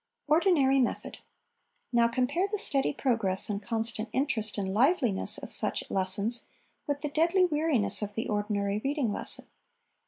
Ordinary Method. Now, compare the steady progress and constant interest and liveliness of such lessons with the deadly weariness of the ordinary reading lesson.